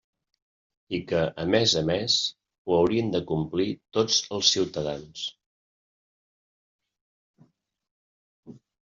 I que a més a més ho haurien de complir tots els ciutadans.